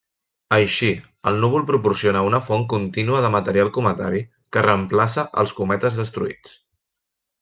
Així, el núvol proporciona una font contínua de material cometari que reemplaça els cometes destruïts.